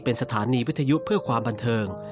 เป็นสถานีวิทยุเพื่อความบันเทิง